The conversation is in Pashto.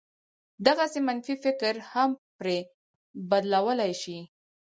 دغسې منفي فکر هم پرې بدلولای شي.